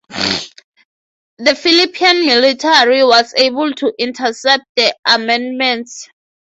The Philippine military was able to intercept the armaments.